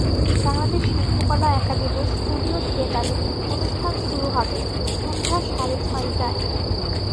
বাংলাদেশ শিল্পকলা একাডেমীর স্টুডিও থিয়েটারে অনুষ্ঠান শুরু হবে সন্ধ্যা সাড়ে ছয়টায়।